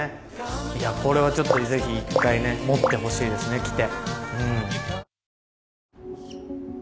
いやこれはちょっとぜひ一回ね持ってほしいですね来て。